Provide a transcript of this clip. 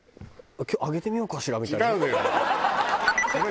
あげてみようかしらみたいな。